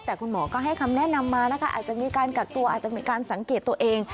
แต่คุณหมอก็ให้คำแนะนำมานะคะอาจจะมีการกักตัวอาจจะมีการสังเกตตัวเอง